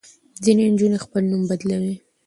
ځینې نجونې خپل نوم بدلوي.